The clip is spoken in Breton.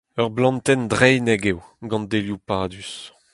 Ur blantenn dreinek eo, gant delioù padus.